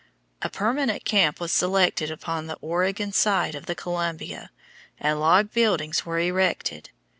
A permanent camp was selected upon the Oregon side of the Columbia, and log buildings were erected.